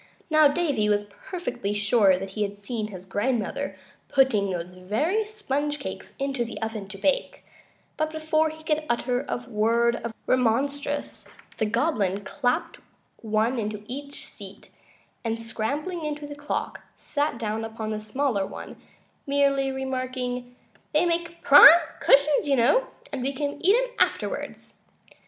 Now, Davy was perfectly sure that he had seen his grandmother putting those very sponge cakes into the oven to bake, but before he could utter a word of remonstrance the Goblin clapped one into each seat, and scrambling into the clock sat down upon the smaller one, merely remarking: "They make prime cushions, you know, and we can eat 'em afterwards."